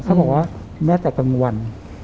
เขาบอกว่าแม้แต่กลางวัน